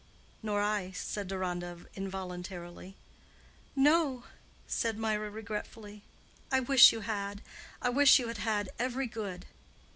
"Nor I," said Deronda, involuntarily. "No?" said Mirah, regretfully. "I wish you had. I wish you had had every good."